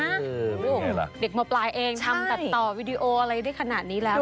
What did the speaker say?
ไม่โอเคเด็กมปลายเองทำตัดต่อวิดีโออะไรได้ขนาดนี้แล้ว